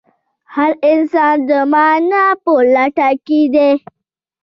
هر انسان د مانا په لټه کې دی.